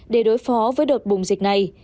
để đối phó với đột bùng dịch này